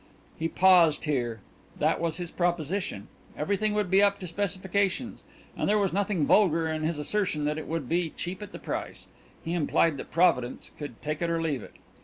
He paused here. That was his proposition. Everything would be up to specifications, and there was nothing vulgar in his assertion that it would be cheap at the price. He implied that Providence could take it or leave it.